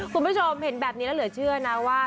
คุณผู้ชมเห็นแบบนี้แล้วเหลือเชื่อนะว่า